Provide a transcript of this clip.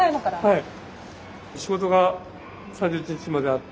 はい。